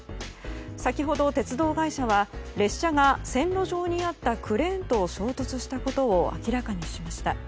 先ほど鉄道会社は列車が線路上にあったクレーンと衝突したことを明らかにしました。